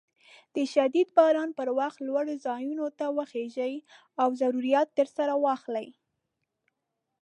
د شديد باران پر وخت لوړو ځايونو ته وخېژئ او ضروريات درسره واخلئ.